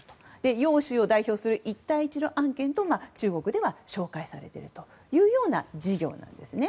欧州を代表する一帯一路案件と中国では紹介されているような事業なんです。